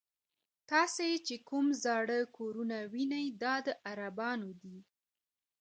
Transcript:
تاسې چې کوم زاړه کورونه وینئ دا د عربانو دي.